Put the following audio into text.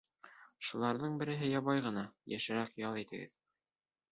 Шуларҙың береһе ябай ғына: йышыраҡ ял итегеҙ.